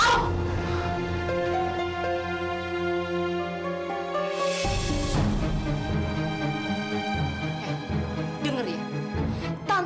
jadi bener bener ri frya namanya